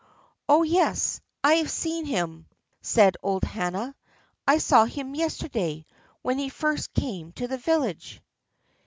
"Oh yes, I have seen him," said old Hannah; "I saw him yesterday, when he first came to the village."